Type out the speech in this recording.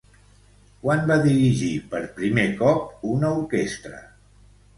Quan va dirigir per primer cop una orquestra?